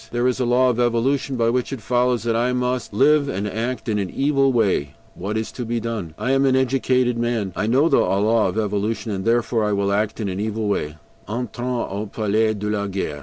There is a law of evolution by which it follows that I must live and act in an evil way; what is to be done? I am an educated man, I know the law of evolution, and therefore I will act in an evil way. "ENTRONS AU PALAIS DE LA GUERRE."